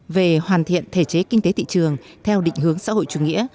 về hoàn thiện thể chế kinh tế thị trường theo định hướng xã hội chủ nghĩa